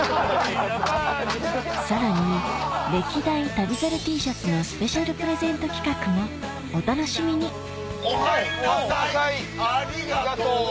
さらに歴代旅猿Ｔシャツのスペシャルプレゼント企画もお楽しみにお入んなさいありがとう。